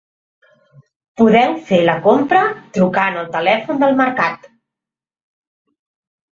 Podeu fer la compra trucant al telèfon del mercat.